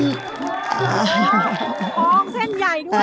องเส้นใหญ่ด้วย